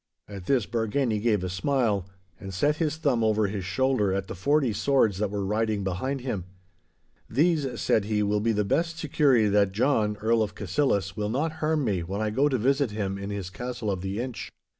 At this Bargany gave a smile, and set his thumb over his shoulder at the forty swords that were riding behind him. 'These,' said he, 'will be the best security that John, Earl of Cassillis, will not harm me when I go to visit him in his castle of the Inch.